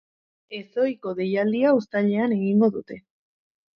Ezohiko deialdia uztailean egingo dute.